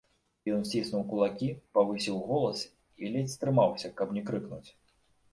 Ён сціснуў кулакі, павысіў голас і ледзь стрымаўся, каб не крыкнуць.